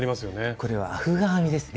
これはアフガン編みですね。